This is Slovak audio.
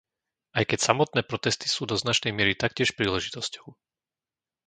Aj keď samotné protesty sú do značnej miery taktiež príležitosťou.